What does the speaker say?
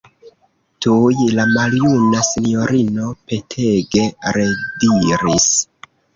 Tuj la maljuna sinjorino petege rediris: